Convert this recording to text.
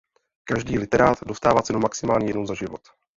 Každý literát dostává cenu maximálně jednou za život.